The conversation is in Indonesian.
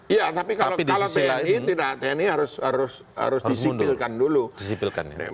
iya tapi kalau tni tidak tni harus disipilkan dulu